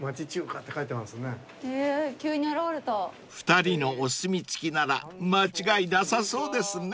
［２人のお墨付きなら間違いなさそうですね］